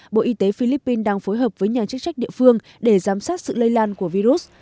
bộ y tế philippines đang phối hợp với nhà chức trách địa phương để giám sát sự lây lan của virus